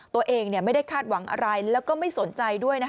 ตัวเองไม่ได้คาดหวังอะไรแล้วก็ไม่สนใจด้วย